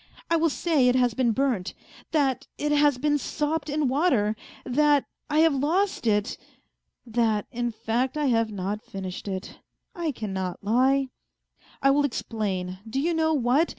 I will say it has been burnt, that it has been sopped in water, that I have lost it. ... That, in fact, I have not finished it ; I cannot lie. I will explain, do you know, what